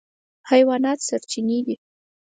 حیوانات سرچینې دي.